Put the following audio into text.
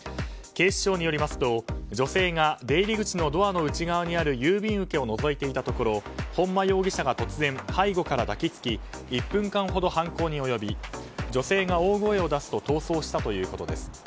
警視庁によりますと、女性が出入り口のドアの内側にある郵便受けをのぞいていたところ本間容疑者が突然背後から抱き付き１分間ほど犯行に及び女性が大声を出すと逃走したということです。